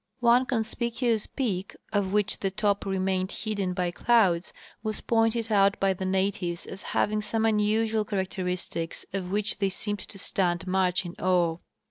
One conspicuous peak, of which the top remained hidden by clouds, Avas pointed out by the natives as having some unusual characteristics of which they seemed to stand much in awe.